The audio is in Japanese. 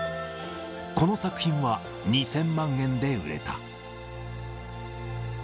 この作品は、２０００万円で売れた。